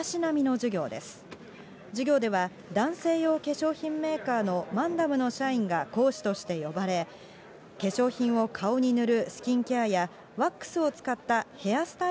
授業では男性用化粧品メーカーのマンダムの社員が講師として呼ばれ、化粧品を顔に塗るスキンケアや、ワックスを使ったヘアー